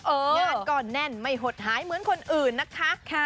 งานก็แน่นไม่หดหายเหมือนคนอื่นนะคะ